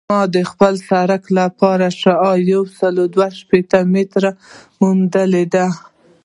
ما د خپل سرک لپاره شعاع یوسل دوه شپیته متره موندلې ده